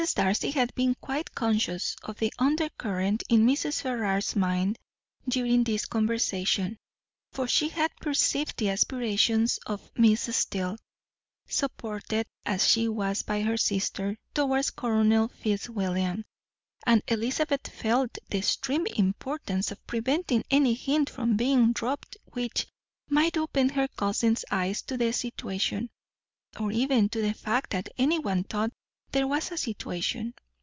Darcy had been quite conscious of the undercurrent in Mrs. Ferrars's mind during this conversation, for she had perceived the aspirations of Miss Steele, supported as she was by her sister, towards Colonel Fitzwilliam; and Elizabeth felt the extreme importance of preventing any hint from being dropped which might open her cousin's eyes to the situation, or even to the fact that anyone thought there was a situation.